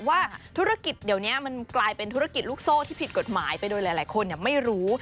ว่าธุรกิจเดี๋ยวนี้มันกลายเป็นธุรกิจลูกโซ่ที่ผิดกฎหมายไปโดยหลายคนไม่รู้